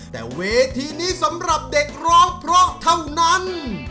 แต่เวทีนี้สำหรับเด็กร้องเพราะเท่านั้น